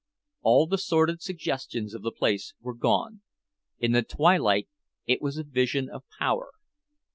All the sordid suggestions of the place were gone—in the twilight it was a vision of power.